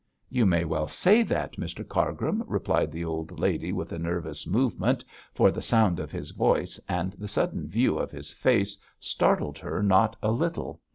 'You may well say that, Mr Cargrim,' replied the old lady, with a nervous movement, for the sound of his voice and the sudden view of his face startled her not a little.